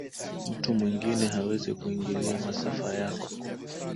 mtu mwingine hawezi kuingilia masafa yako